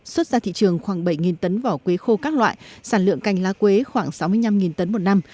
xuất ra thị trường khoảng bảy tấn vỏ quế khô các loại sản lượng cành lá quế khoảng sáu mươi năm tấn một năm